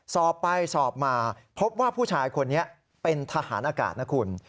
สอบไปสอบมาพบว่าผู้ชายคนนี้เป็นทหารอากาศนะคุณ